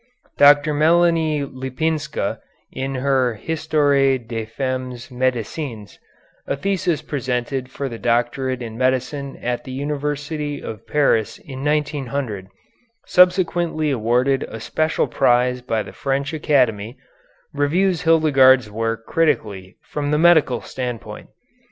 Dr. Melanie Lipinska, in her "Histoire des Femmes Médecins," a thesis presented for the doctorate in medicine at the University of Paris in 1900, subsequently awarded a special prize by the French Academy, reviews Hildegarde's work critically from the medical standpoint.